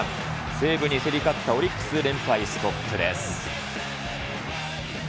西武に競り勝ったオリックス、連敗ストップです。